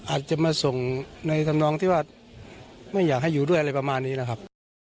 อาจจะมาส่งในธรรมนองที่ว่าไม่อยากให้อยู่ด้วยอะไรประมาณนี้นะครับ